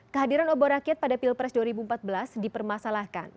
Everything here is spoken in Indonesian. kehadiran obor rakyat pada pilpres dua ribu empat belas dipermasalahkan